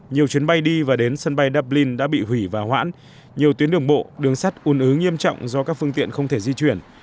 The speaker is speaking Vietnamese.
nhiều chuyến bay đi và đến sân bay dublin đã bị hủy và hoãn nhiều tuyến đường bộ đường sắt un ứ nghiêm trọng do các phương tiện không thể di chuyển